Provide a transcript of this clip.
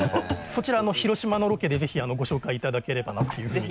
そちら広島のロケでぜひご紹介いただければなというふうに。